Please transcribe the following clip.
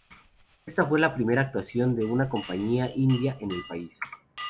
Esta fue la primera actuación de una compañía india en el país.